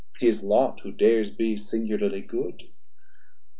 His lot who dares be singularly good.